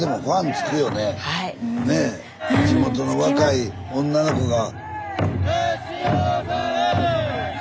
地元の若い女の子が。